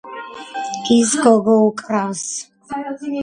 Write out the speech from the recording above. ის გოგო უკრავს